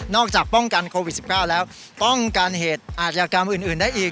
นอกจากป้องกันโควิดสิบเก้าแล้วป้องกันเหตุอาจยากรรมอื่นอื่นได้อีก